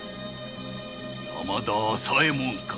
山田朝右衛門か。